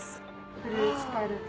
フルーツタルト。